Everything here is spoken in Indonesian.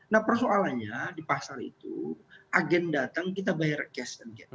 nah persoalannya di pasar itu agen datang kita bayar cash and get